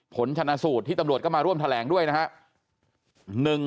ผลชนะสูตรที่ตำรวจก็มาร่วมแถลงด้วยนะครับ